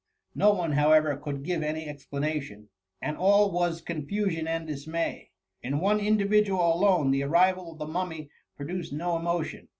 No cine, however, could give any explanation ; THE MUMMY. S93 and all was confusicm and dismay. In one in dividual alone the arrival of the Mummy pro duced no emotion.